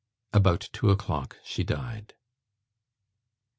About two o'clock she died.